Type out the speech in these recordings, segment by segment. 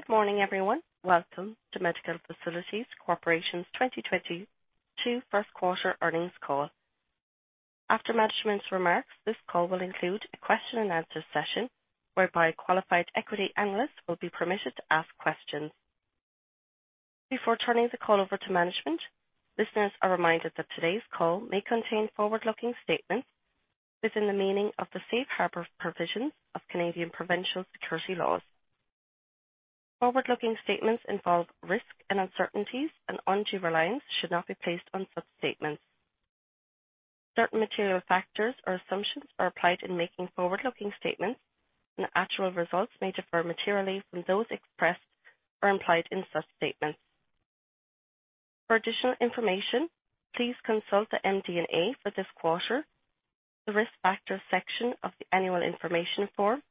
Good morning, everyone. Welcome to Medical Facilities Corporation's 2022 Q1 Earnings Call. After management's remarks, this call will include a question and answer session whereby qualified equity analysts will be permitted to ask questions. Before turning the call over to management, listeners are reminded that today's call may contain forward-looking statements within the meaning of the safe harbor provisions of Canadian provincial securities laws. Forward-looking statements involve risks and uncertainties and undue reliance should not be placed on such statements. Certain material factors or assumptions are applied in making forward-looking statements, and actual results may differ materially from those expressed or implied in such statements. For additional information, please consult the MD&A for this quarter, the Risk Factors section of the Annual Information Form,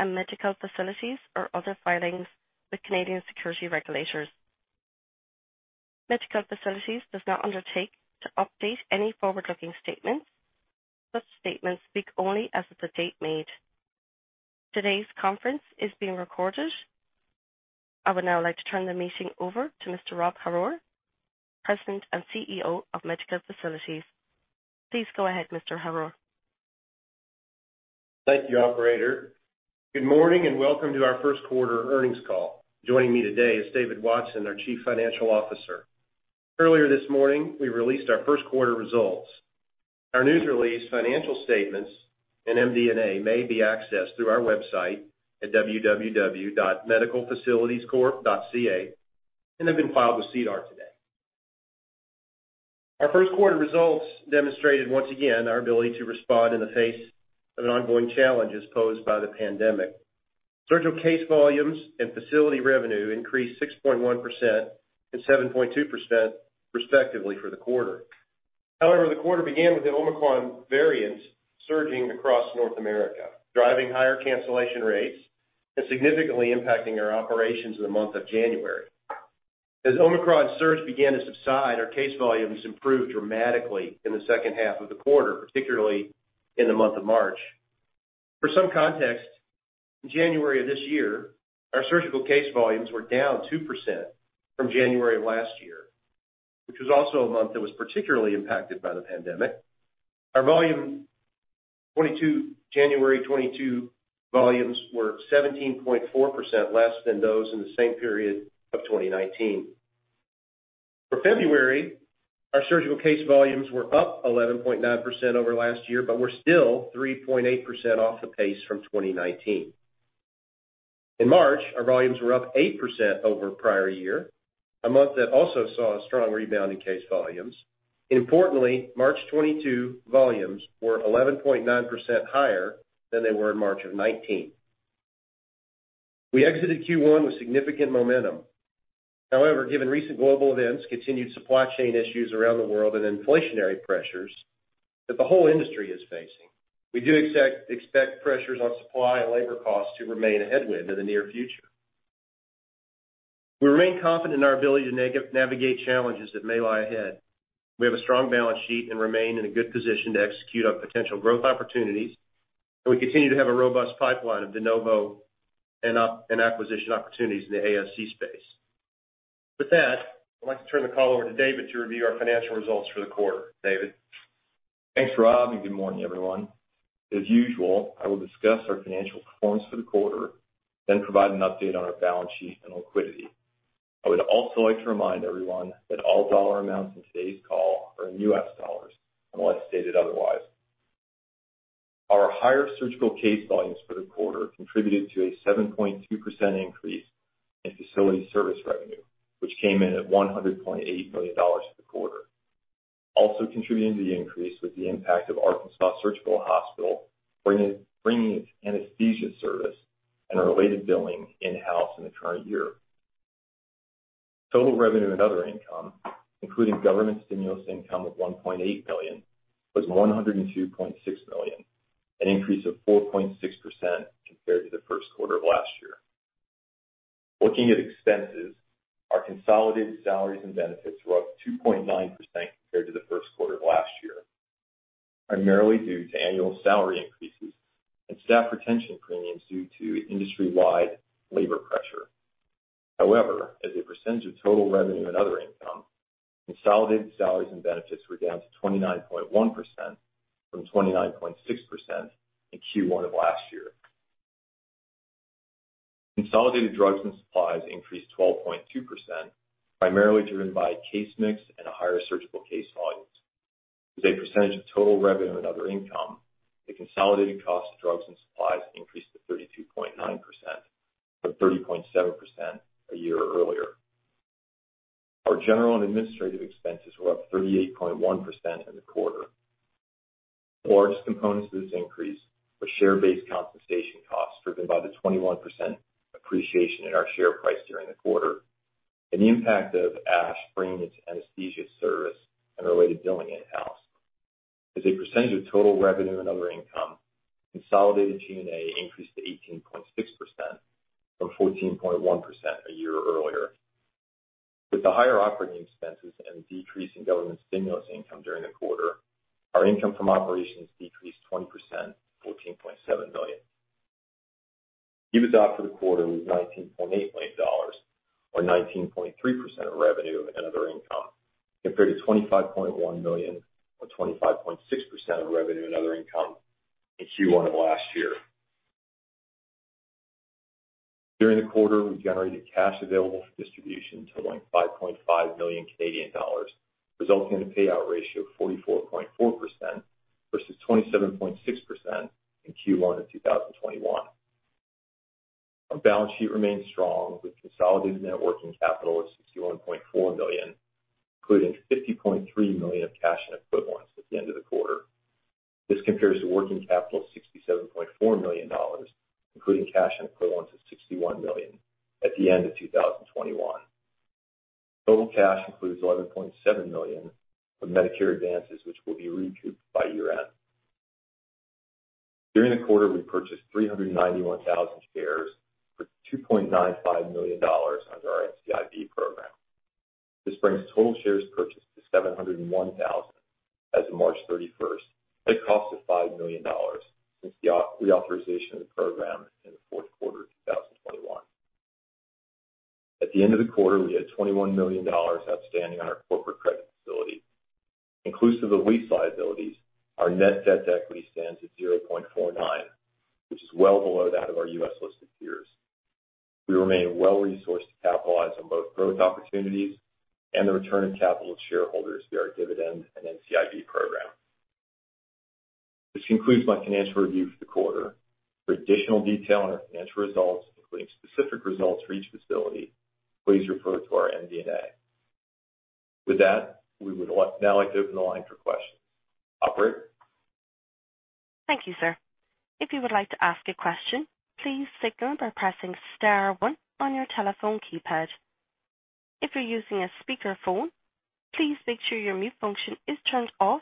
and Medical Facilities for other filings with Canadian securities regulators. Medical Facilities does not undertake to update any forward-looking statements. Such statements speak only as of the date made. Today's conference is being recorded. I would now like to turn the meeting over to Mr. Rob Horrar, President and CEO of Medical Facilities. Please go ahead, Mr. Horrar. Thank you, operator. Good morning and welcome to our Q1 earnings call. Joining me today is David Watson, our Chief Financial Officer. Earlier this morning, we released our Q1 results. Our news release, financial statements, and MD&A may be accessed through our website at www.medicalfacilitiescorp.ca and have been filed with SEDAR today. Our Q1 results demonstrated once again our ability to respond in the face of an ongoing challenge as posed by the pandemic. Surgical case volumes and facility revenue increased 6.1% and 7.2% respectively for the quarter. However, the quarter began with the Omicron variant surging across North America, driving higher cancellation rates and significantly impacting our operations in the month of January. As Omicron surge began to subside, our case volumes improved dramatically in the second half of the quarter, particularly in the month of March. For some context, in January of this year, our surgical case volumes were down 2% from January of last year, which was also a month that was particularly impacted by the pandemic. Our volume, 2022, January 2022 volumes were 17.4% less than those in the same period of 2019. For February, our surgical case volumes were up 11.9% over last year, but we're still 3.8% off the pace from 2019. In March, our volumes were up 8% over prior year, a month that also saw a strong rebound in case volumes. Importantly, March 2022 volumes were 11.9% higher than they were in March of 2019. We exited Q1 with significant momentum. However, given recent global events, continued supply chain issues around the world, and inflationary pressures that the whole industry is facing, we do expect pressures on supply and labor costs to remain a headwind in the near future. We remain confident in our ability to navigate challenges that may lie ahead. We have a strong balance sheet and remain in a good position to execute on potential growth opportunities, and we continue to have a robust pipeline of de novo and acquisition opportunities in the ASC space. With that, I'd like to turn the call over to David to review our financial results for the quarter. David? Thanks, Rob, and good morning, everyone. As usual, I will discuss our financial performance for the quarter, then provide an update on our balance sheet and liquidity. I would also like to remind everyone that all dollar amounts in today's call are in US dollars, unless stated otherwise. Our higher surgical case volumes for the quarter contributed to a 7.2% increase in facility service revenue, which came in at $100.8 million for the quarter. Also contributing to the increase was the impact of Arkansas Surgical Hospital bringing its anesthesia service and our related billing in-house in the current year. Total revenue and other income, including government stimulus income of $1.8 billion, was $102.6 million, an increase of 4.6% compared to the Q1 of last year. Looking at expenses, our consolidated salaries and benefits were up 2.9% compared to the Q1 of last year, primarily due to annual salary increases and staff retention premiums due to industry-wide labor pressure. However, as a percentage of total revenue and other income, consolidated salaries and benefits were down to 29.1% from 29.6% in Q1 of last year. Consolidated drugs and supplies increased 12.2%, primarily driven by case mix and higher surgical case volumes. As a percentage of total revenue and other income, the consolidated cost of drugs and supplies increased to 32.9% from 30.7% a year earlier. Our general and administrative expenses were up 38.1% in the quarter. The largest components of this increase were share-based compensation costs, driven by the 21% appreciation in our share price during the quarter, and the impact of ASH bringing its anesthesia service and related billing in-house. As a percentage of total revenue and other income, consolidated G&A increased to 18.6% from 14.1% a year earlier. With the higher operating expenses and decrease in government stimulus income during the quarter, our income from operations decreased 20% to $14.7 million. EBITDA for the quarter was $19.8 million or 19.3% of revenue and other income, compared to $25.1 million or 25.6% of revenue and other income in Q1 of last year. During the quarter, we generated cash available for distribution totaling 5.5 million Canadian dollars, resulting in a payout ratio of 44.4% versus 27.6% in Q1 of 2021. Our balance sheet remains strong, with consolidated net working capital of $61.4 million, including $50.3 million of cash equivalents at the end of the quarter. This compares to working capital of $67.4 million, including cash equivalents of $61 million at the end of 2021. Total cash includes $11.7 million of Medicare advances, which will be recouped by year-end. During the quarter, we purchased 391,000 shares for $2.95 million under our NCIB program. This brings total shares purchased to 701,000 as of March 31, at a cost of $5 million since the reauthorization of the program in the Q4 of 2021. At the end of the quarter, we had $21 million outstanding on our corporate credit facility. Inclusive of lease liabilities, our net debt to equity stands at 0.49, which is well below that of our U.S. listed peers. We remain well-resourced to capitalize on both growth opportunities and the return of capital to shareholders via our dividend and NCIB program. This concludes my financial review for the quarter. For additional detail on our financial results, including specific results for each facility, please refer to our MD&A. With that, we would like now to open the line for questions. Operator? Thank you, sir. If you would like to ask a question, please signal by pressing star one on your telephone keypad. If you're using a speakerphone, please make sure your mute function is turned off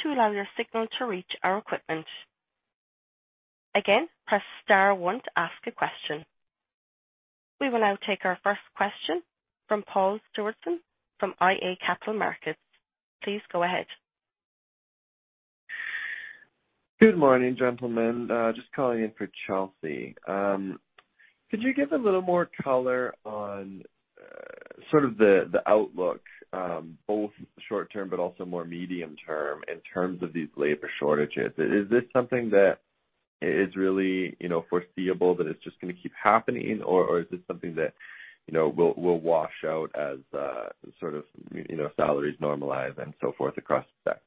to allow your signal to reach our equipment. Again, press star one to ask a question. We will now take our first question from Paul Stewardson from iA Capital Markets. Please go ahead. Good morning, gentlemen. Just calling in for Chelsea. Could you give a little more color on sort of the outlook both short term but also more medium term in terms of these labor shortages? Is this something that is really, you know, foreseeable that it's just gonna keep happening or is this something that, you know, will wash out as sort of, you know, salaries normalize and so forth across the sector?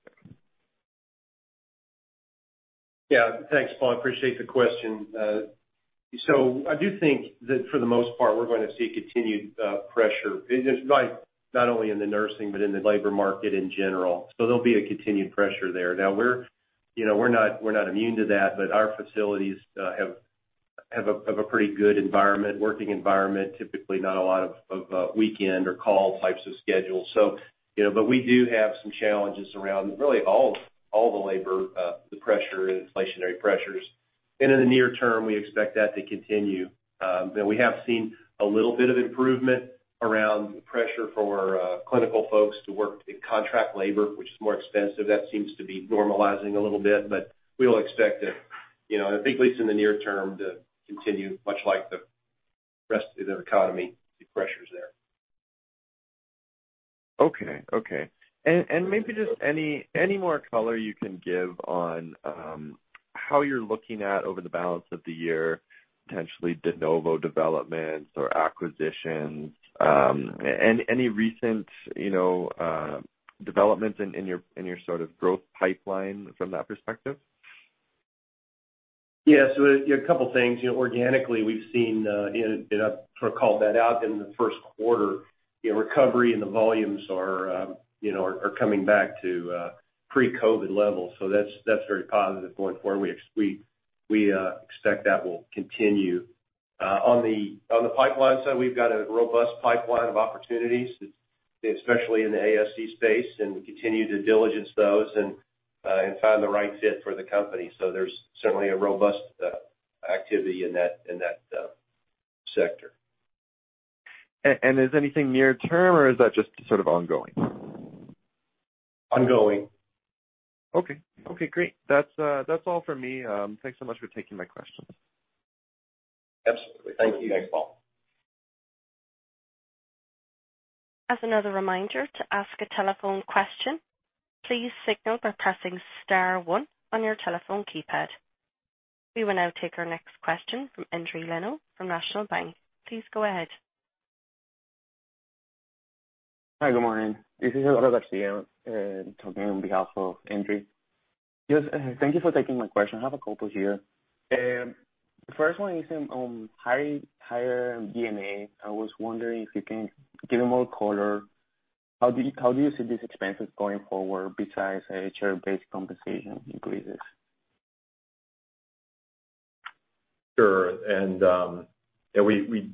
Yeah. Thanks, Paul. Appreciate the question. So I do think that for the most part, we're going to see continued pressure. It's like not only in the nursing, but in the labor market in general. So there'll be a continued pressure there. Now we're, you know, we're not immune to that, but our facilities have a pretty good working environment. Typically not a lot of weekend or call types of schedules. So, you know, but we do have some challenges around really all the labor pressure and inflationary pressures. In the near term, we expect that to continue. But we have seen a little bit of improvement around pressure for clinical folks to work in contract labor, which is more expensive. That seems to be normalizing a little bit, but we will expect it, you know, I think at least in the near term, to continue much like the rest of the economy, the pressures there. Okay. Maybe just any more color you can give on how you're looking at over the balance of the year, potentially de novo developments or acquisitions, and any recent, you know, developments in your sort of growth pipeline from that perspective? Yeah. A couple things. You know, organically, we've seen, and I sort of called that out in the Q1. You know, recovery and the volumes are coming back to pre-COVID levels. That's very positive going forward. We expect that will continue. On the pipeline side, we've got a robust pipeline of opportunities, especially in the ASC space, and we continue to diligence those and find the right fit for the company. There's certainly a robust activity in that sector. Is anything near term or is that just sort of ongoing? Ongoing. Okay. Okay, great. That's all for me. Thanks so much for taking my questions. Absolutely. Thank you. Thanks, Paul. As another reminder to ask a telephone question, please signal by pressing star one on your telephone keypad. We will now take our next question from Endri Leno from National Bank of Canada. Please go ahead. Hi, good morning. This is talking on behalf of Andrew. Yes, thank you for taking my question. I have a couple here. The first one is on higher G&A. I was wondering if you can give more color, how do you see these expenses going forward besides HR-based compensation increases? Sure. Yeah, we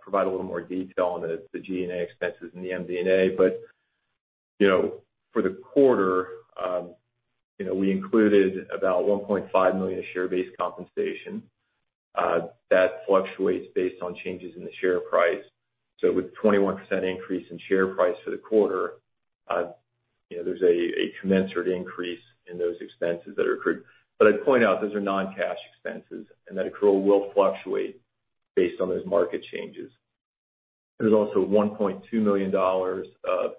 provide a little more detail on the G&A expenses in the MD&A. You know, for the quarter, you know, we included about $1.5 million share-based compensation. That fluctuates based on changes in the share price. With 21% increase in share price for the quarter, you know, there's a commensurate increase in those expenses that are accrued. I'd point out, those are non-cash expenses, and that accrual will fluctuate based on those market changes. There's also $1.2 million of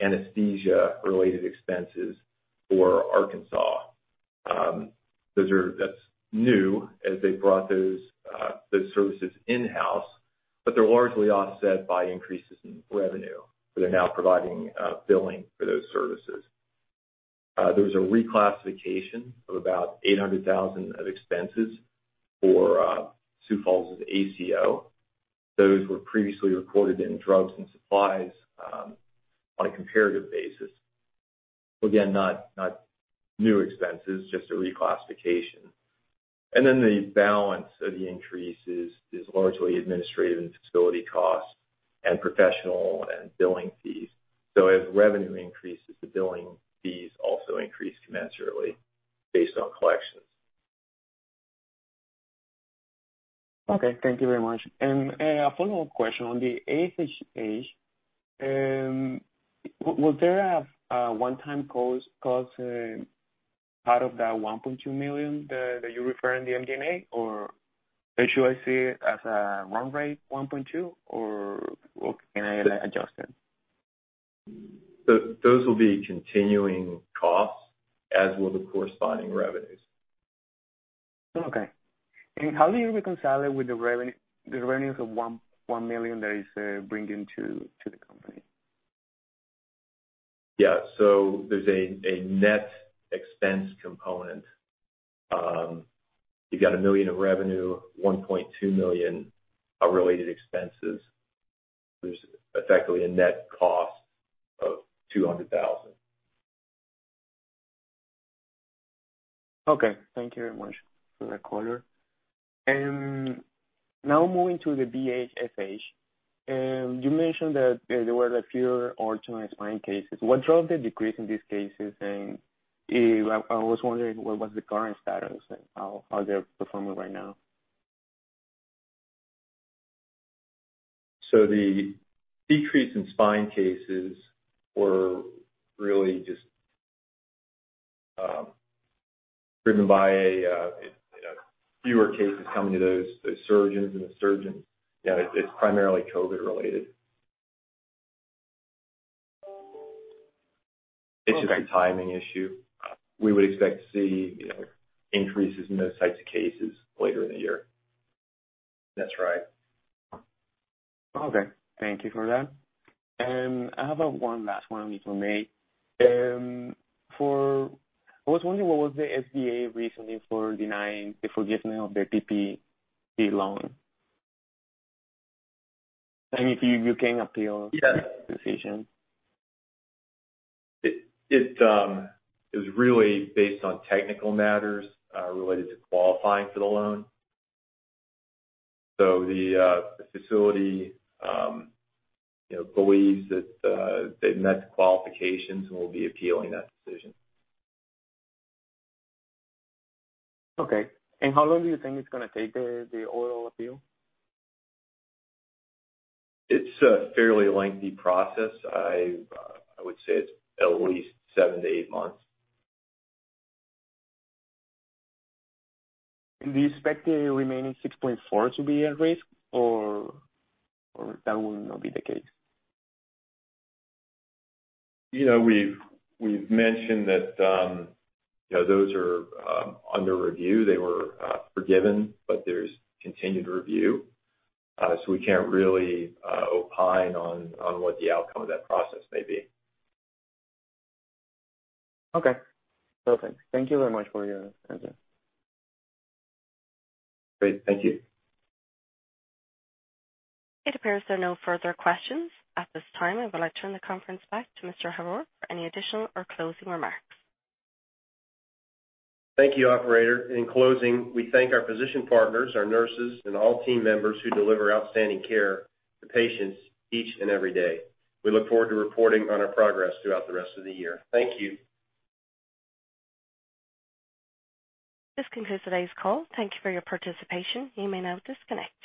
anesthesia-related expenses for Arkansas. Those are. That's new as they brought those services in-house, but they're largely offset by increases in revenue. They're now providing billing for those services. There was a reclassification of about $800,000 of expenses for Sioux Falls' ACO. Those were previously recorded in drugs and supplies on a comparative basis. Again, not new expenses, just a reclassification. The balance of the increase is largely administrative and facility costs and professional and billing fees. As revenue increases, the billing fees also increase commensurately based on collections. Okay, thank you very much. A follow-up question on the ASH. Was there a one-time cost out of that $1.2 million that you refer in the MD&A? Or should I see it as a run rate $1.2 or what can I adjust it? Those will be continuing costs, as will the corresponding revenues. Okay. How do you reconcile it with the revenue, the revenues of $1 million that is bringing to the company? Yeah. There's a net expense component. You've got $1 million of revenue, $1.2 million of related expenses. There's effectively a net cost of $200,000. Okay. Thank you very much for that color. Now moving to the BHSH. You mentioned that there were fewer orthopedic spine cases. What drove the decrease in these cases? I was wondering what was the current status and how they're performing right now. The decrease in spine cases were really just driven by you know, fewer cases coming to those surgeons. You know, it's primarily COVID related. Okay. It's just a timing issue. We would expect to see, you know, increases in those types of cases later in the year. That's right. Okay. Thank you for that. I have one last one for me. I was wondering what was the SBA reasoning for denying the forgiveness of their PPP loan? If you can appeal- Yes. the decision. It was really based on technical matters related to qualifying for the loan. The facility, you know, believes that they met the qualifications and will be appealing that decision. Okay. How long do you think it's gonna take, the oil appeal? It's a fairly lengthy process. I would say it's at least seven-eight months. Do you expect the remaining $6.4 to be at risk or that will not be the case? You know, we've mentioned that, you know, those are under review. They were forgiven, but there's continued review. We can't really opine on what the outcome of that process may be. Okay, perfect. Thank you very much for your answer. Great. Thank you. It appears there are no further questions. At this time, I would like to turn the conference back to Mr. Horrar for any additional or closing remarks. Thank you, operator. In closing, we thank our physician partners, our nurses, and all team members who deliver outstanding care to patients each and every day. We look forward to reporting on our progress throughout the rest of the year. Thank you. This concludes today's call. Thank you for your participation. You may now disconnect.